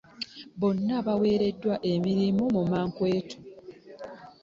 Bonna baaweereddwa emirimu mu mankweetu.